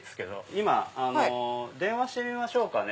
今電話してみましょうかね。